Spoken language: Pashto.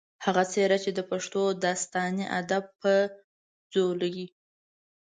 هغه څېره چې د پښتو داستاني ادب پۀ ځولۍ